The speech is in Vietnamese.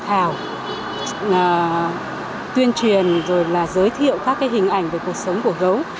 chuyên truyền rồi là giới thiệu các hình ảnh về cuộc sống của gấu